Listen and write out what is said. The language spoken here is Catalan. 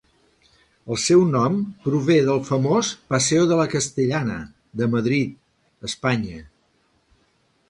El seu nom prové del famós "Paseo de la Castellana" de Madrid, Espanya.